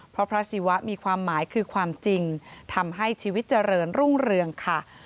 เพราะพระศิวะมีความหมายคือความจริงทำให้ชีวิตเจริญรุ่งเรืองค่ะ